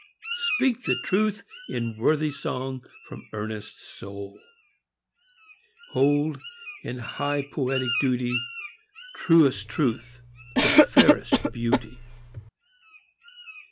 speak the truth in Worthy song from earnest soul ! Hold, in high poetic duty, Truest Truth the fairest Beauty!